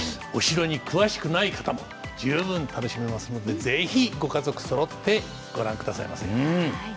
お城に詳しくない方も十分、楽しめますのでぜひご家族そろってご覧くださいませ。